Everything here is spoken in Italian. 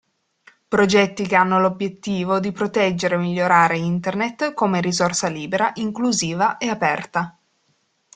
Progetti che hanno l'obbiettivo di proteggere e migliorare Internet, come risorsa libera, inclusiva e aperta.